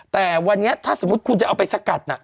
แต่วันนี้ถ้าสมมุติคุณจะเอาไปสกัดน่ะ